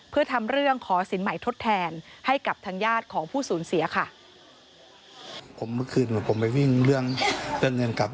เพื่อทำเรื่องขอสินใหม่ทดแทนให้กับทางญาติของผู้สูญเสียค่ะ